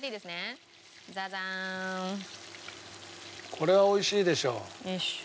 これは美味しいでしょう。